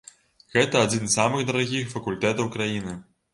Гэта адзін з самых дарагіх факультэтаў краіны.